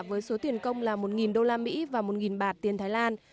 với số tiền công là một usd và một bạt tiền thái lan